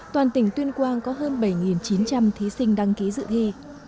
toàn tỉnh tuyên quang có hơn bảy chín trăm linh thí sinh đăng ký dự thi